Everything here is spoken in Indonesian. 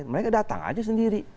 mereka datang aja sendiri